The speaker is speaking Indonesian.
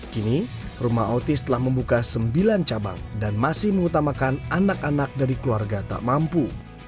kini rumah autis telah membuka sembilan cabang dan masih mengutamakan anak anak dari keluarga tak mampu